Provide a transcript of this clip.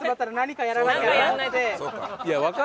そうか。